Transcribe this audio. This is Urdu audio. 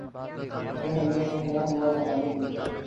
کس شہر نہ شہرہ ہوا نادانئ دل کا